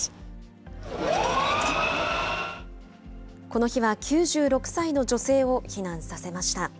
この日は、９６歳の女性を避難させました。